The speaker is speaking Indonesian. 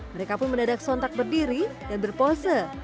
mereka pun mendadak sontak berdiri dan berpose